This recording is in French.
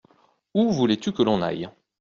Où voulais-tu que l’on aille ?